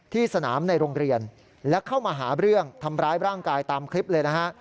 ที่สนามในโรงเรียนและเข้ามาหาเรื่องทำร้ายร่างกายตามคลิปเลยนะฮะ